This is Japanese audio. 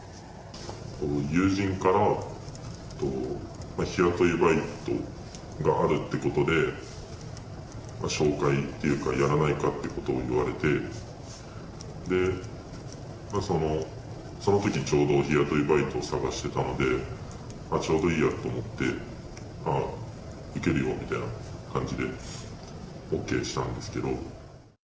友人から日雇いバイトがあるってことで、紹介っていうか、やらないかっていうことを言われて、で、そのときにちょうど日雇いバイトを探してたので、ちょうどいいやと思って、あっ、受けるよみたいな感じで、ＯＫしたんですけど。